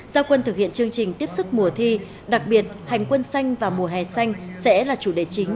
giao quân thực hiện chương trình tiếp sức mùa thi đặc biệt hành quân xanh và mùa hè xanh sẽ là chủ đề chính